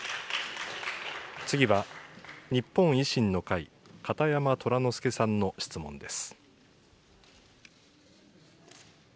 次は日本維新の会、片山虎之助さんの質問です。